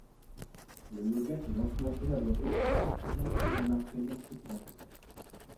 Le yoga s'est lentement élaboré en s'imprégnant et en imprégnant ce qui l'entourait.